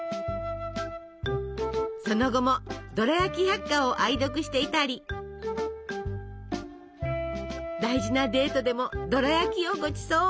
その後も「ドラヤキ百科」を愛読していたり大事なデートでもドラやきをごちそう。